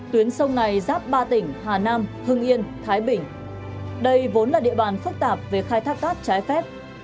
tuyến sông này giáp ba tỉnh hà nam hưng yên thái bình đây vốn là địa bàn phức tạp về khai thác cát trái phép